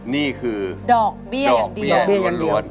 นี่คือดอกเบี้ยอย่างเดียว